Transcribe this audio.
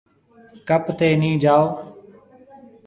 ڪپ تي نِي جائو۔